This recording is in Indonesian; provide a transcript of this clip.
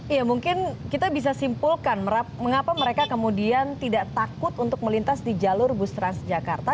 iya mungkin kita bisa simpulkan mengapa mereka kemudian tidak takut untuk melintas di jalur bus transjakarta